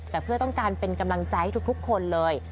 แต่เพื่อต้องการเป็นกำลังใจให้ทุกคนเลย